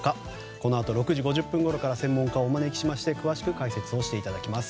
このあと６時５０分ごろから専門家をお招きしまして詳しく解説していただきます。